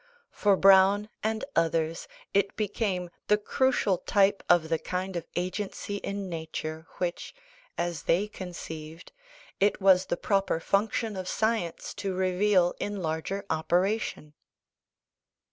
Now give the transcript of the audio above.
For Browne and others it became the crucial type of the kind of agency in nature which, as they conceived, it was the proper function of science to reveal in larger operation.